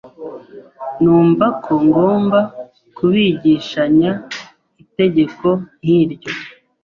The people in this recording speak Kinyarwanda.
numva ko ngomba kubigishanya itegeko nk’ iryo.